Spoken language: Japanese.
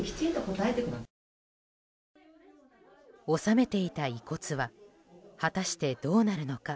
納めていた遺骨は果たしてどうなるのか。